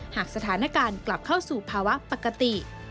หากสถานการณ์กลับเข้าสู่ภาวะปกติ